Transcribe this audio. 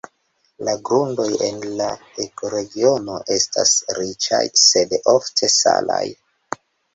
La grundoj en la ekoregiono estas riĉaj, sed ofte salaj.